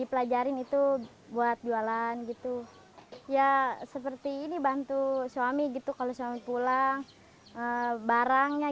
dipelajarin itu buat jualan gitu ya seperti ini bantu suami gitu kalau suami pulang barangnya